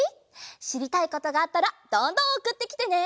しりたいことがあったらどんどんおくってきてね！